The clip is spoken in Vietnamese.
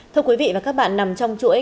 thưa quý vị và các bạn nằm trong chuỗi